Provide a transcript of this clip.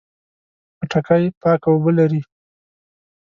خټکی پاکه اوبه لري.